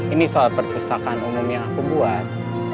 ini soal perpustakaan umum yang aku buat